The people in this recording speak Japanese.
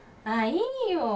ああいいよ。